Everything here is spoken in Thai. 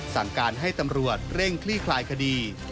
สั่งการให้ตำรวจเร่งคลี่คลายคดี